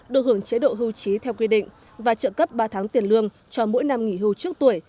được hưởng chế độ hưu trí theo quy định và trợ cấp ba tháng tiền lương cho mỗi năm nghỉ hưu trước tuổi